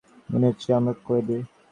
মনে হচ্ছে আমরা কয়েদী!